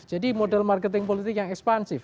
jadi model marketing politik yang ekspansif